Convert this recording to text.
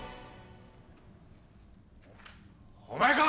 お前か！